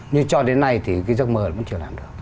nhưng cho đến nay thì cái giấc mơ cũng chưa làm được